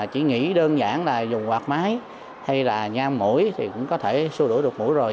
chỉ nghĩ đơn giản là dùng quạt mái hay là nham mũi thì cũng có thể xua đuổi được mũi rồi